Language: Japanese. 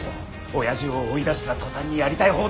おやじを追い出したら途端にやりたい放題だ。